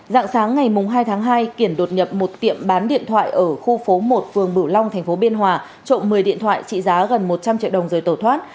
dạng sáng ngày hai tháng hai kiển đột nhập một tiệm bán điện thoại ở khu phố một phường bửu long tp biên hòa trộm một mươi điện thoại trị giá gần một trăm linh triệu đồng rồi tẩu thoát